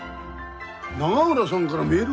永浦さんがらメール？